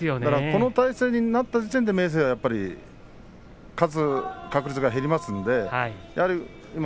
この体勢になった時点で明生勝つ確率が減りますね。